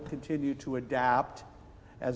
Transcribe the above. bri akan terus beradaptasi